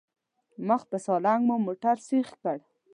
مخ په سالنګ مو موټر سيخ کړ.